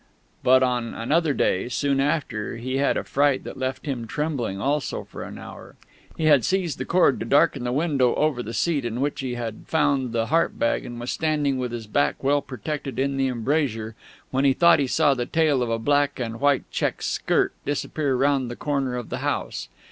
But on another day, soon after, he had a fright that left him trembling also for an hour. He had seized the cord to darken the window over the seat in which he had found the harp bag, and was standing with his back well protected in the embrasure, when he thought he saw the tail of a black and white check skirt disappear round the corner of the house.